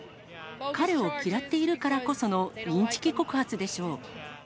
彼を嫌っているからこその、インチキ告発でしょう。